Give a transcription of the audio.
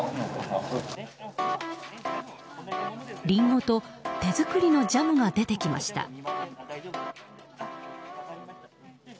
リンゴと、手作りのジャムが出てきました。